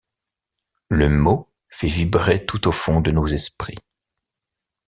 Le mot fait vibrer tout au fond de nos esprits.